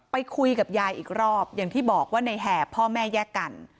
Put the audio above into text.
ไปคุยกับยายอีกรอบอย่างที่บอกว่าในแหบพ่อแม่แยกกัน